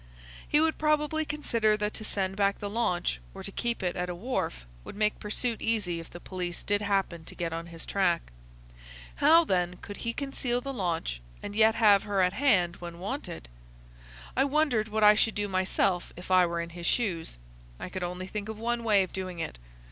He would probably consider that to send back the launch or to keep it at a wharf would make pursuit easy if the police did happen to get on his track. How, then, could he conceal the launch and yet have her at hand when wanted? I wondered what I should do myself if I were in his shoes. I could only think of one way of doing it.